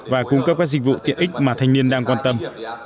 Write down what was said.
và cung cấp các dịch vụ tiện ích mà thanh niên đang quan tâm